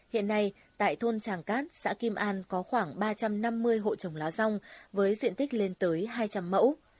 hiện nay tại thôn tràng cát xã kim an có khoảng ba trăm năm mươi hộ trồng lá rong với diện tích lên tới hai trăm linh mẫu